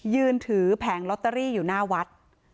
ยืนถือแผงลอตเตอรี่อยู่หน้าวัด